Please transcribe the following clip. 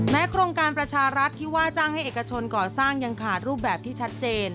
โครงการประชารัฐที่ว่าจ้างให้เอกชนก่อสร้างยังขาดรูปแบบที่ชัดเจน